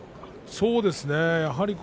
そうですね